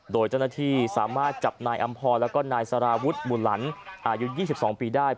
โดยเจ้าหน้าที่สามารถจับนายอำพรแล้วก็นายสารวุฒิหมู่หลันอายุ๒๒ปีได้